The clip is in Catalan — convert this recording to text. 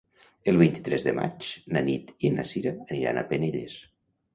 El vint-i-tres de maig na Nit i na Sira aniran a Penelles.